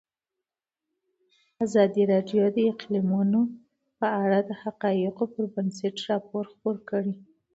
ازادي راډیو د اقلیتونه په اړه د حقایقو پر بنسټ راپور خپور کړی.